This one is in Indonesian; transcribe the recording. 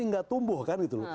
nanti tidak tumbuh kan itu